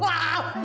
wah wah begitu